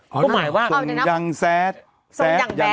ก็หมายว่าส่งอย่างแซส